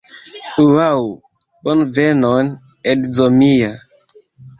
Ŭaŭ! Bonvenon edzo mia